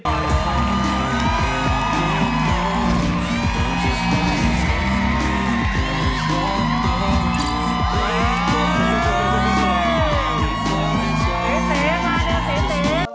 เศษมาด้วยเศษ